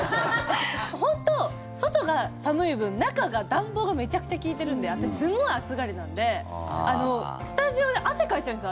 本当、外が寒い分中が暖房がめちゃくちゃ利いてるんで私、すごい暑がりなんでスタジオで汗かいちゃうんです。